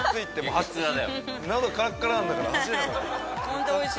喉カラッカラなんだから走れなくなる。